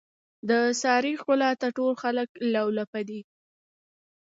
د سارې ښکلاته ټول خلک لولپه دي.